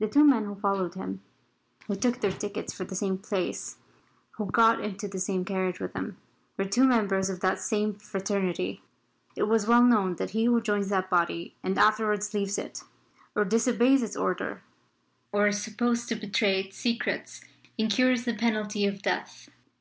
The two men who followed him who took their tickets for the same place who got into the same carriage with him were two members of that same fraternity. It is well known that he who joins that body and afterwards leaves it, or disobeys its order, or is supposed to betray its secrets, incurs the penalty of death.